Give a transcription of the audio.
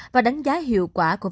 và đánh giá hiệu vaccine tăng cường